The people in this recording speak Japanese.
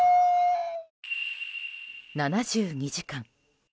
７２時間。